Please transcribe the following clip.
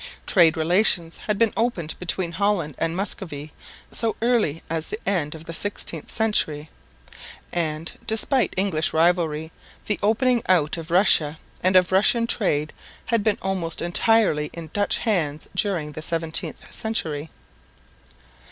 Trade relations had been opened between Holland and Muscovy so early as the end of the 16th century; and, despite English rivalry, the opening out of Russia and of Russian trade had been almost entirely in Dutch hands during the 17th century.